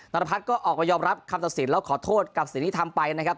รพัฒน์ก็ออกมายอมรับคำตัดสินแล้วขอโทษกับสิ่งที่ทำไปนะครับ